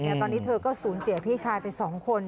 ตอนนี้เธอก็สูญเสียพี่ชายไป๒คน